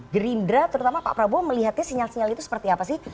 gerindra terutama pak prabowo melihatnya sinyal sinyal itu seperti apa sih